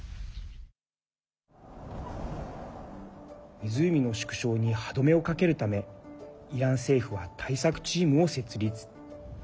湖の縮小に歯止めをかけるためイラン政府は、対策チームを設立。